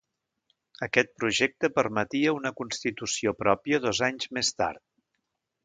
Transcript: Aquest projecte permetia una constitució pròpia dos anys més tard.